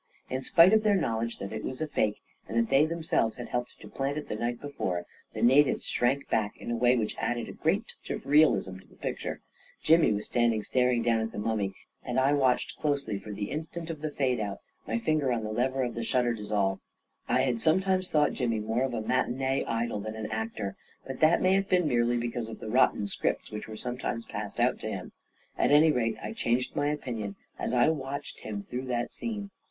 In spite of their knowledge that it was a fake and that they themselves had helped to plant it the night before, the natives shrank back in a way which added a great touch of realism to the picture. Jimmy was standing staring down at the mummy, and I watched 180 A KING IN BABYLON closely for the instant of the fade out, my finger on the lever of the shutter dissolve. I had sometimes thought Jimmy more of a mat* inee idol than an actor, but that may have been merely because of the rotten scripts which were sometimes passed out to him ; at any rate, I changed my opinion as I watched him through that scene.